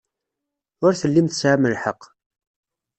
Ur tellim tesɛam lḥeqq.